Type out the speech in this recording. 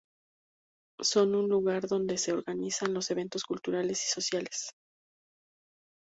Son un lugar donde se organizan los eventos culturales y sociales.